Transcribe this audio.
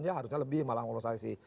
ya harusnya lebih malah menurut saya sih